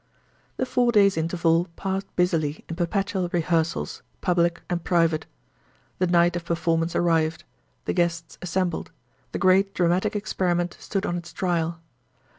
The four days' interval passed busily in perpetual rehearsals, public and private. The night of performance arrived; the guests assembled; the great dramatic experiment stood on its trial.